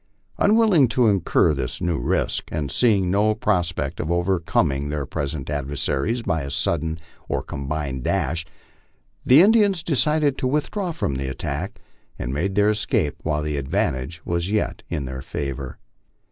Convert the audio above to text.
Unwilling to incur this new risk, and seeing no prospect of over coming their present adversaries by a sudden or combined dash, the chiefs de cided to withdraw from the attack, and make their escape while the advantage was yet in their favor.